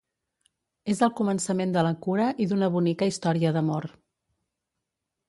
És el començament de la cura i d'una bonica història d'amor.